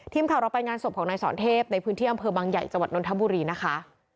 ทีมข่าวเราไปงานศพของนายสอนเทพในพื้นที่อำเภอบางใหญ่จังหวัดนทบุรีนะคะ